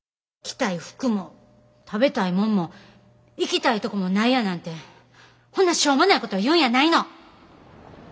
着たい服も食べたいもんも行きたいとこもないやなんてほんなしょうもないこと言うんやないの！